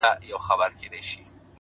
خپل مسیر د وجدان په رڼا وټاکئ’